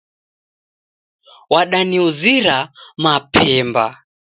Wadaniuzira mapemba .